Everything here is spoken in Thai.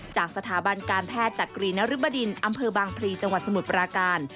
จากสถาบันการแพทย์จักรีนริบดินอำเภอบางพลีจังหวัดสมุทรปราการ